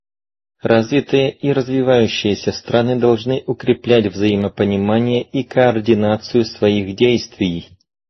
Развитые и развивающиеся страны должны укреплять взаимопонимание и координацию своих действий.